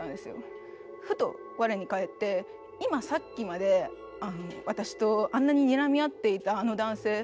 ふと我に帰って今さっきまで私とあんなににらみ合っていたあの男性